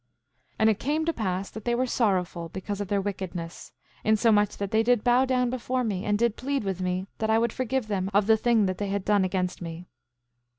7:20 And it came to pass that they were sorrowful, because of their wickedness, insomuch that they did bow down before me, and did plead with me that I would forgive them of the thing that they had done against me.